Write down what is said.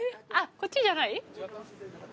こっちじゃない？